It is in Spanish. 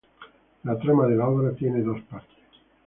La trama de la obra tiene dos partes.